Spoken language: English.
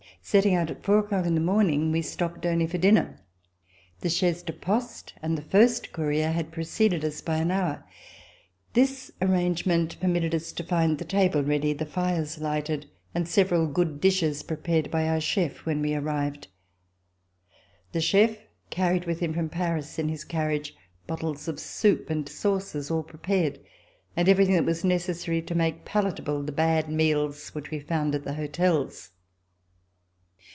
Setting out at four o'clock in the morn ing, we stopped only for dinner. The chaise de poste and the first courier had preceded us by an hour. This arrangement permitted us to find the table ready, the fires lighted, and several good dishes prepared by our chef when we arrived. The chef VISITS TO LANGUEDOC carried with him from Paris, in his carriage, bottles of soup and sauces all prepared, and everything that was necessary to make palatable the bad meals which we found at the hotels.